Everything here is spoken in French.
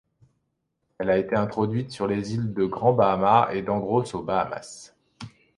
Elle a été introduite sur les îles de Grand Bahama et d'Andros aux Bahamas.